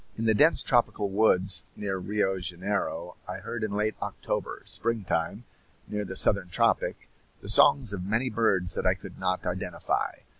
In the dense tropical woods near Rio Janeiro I heard in late October springtime, near the southern tropic the songs of many birds that I could not identify.